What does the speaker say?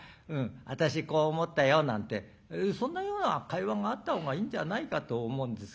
私こう思ったよ」なんてそんなような会話があった方がいいんじゃないかと思うんですけれど。